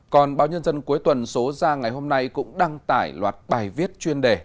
còn báo nhân dân cuối tuần số ra ngày hôm nay cũng đăng tải loạt bài viết chuyên đề